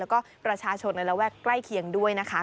แล้วก็ประชาชนในระแวกใกล้เคียงด้วยนะคะ